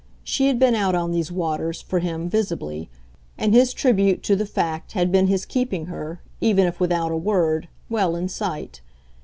She had been out on these waters, for him, visibly; and his tribute to the fact had been his keeping her, even if without a word, well in sight.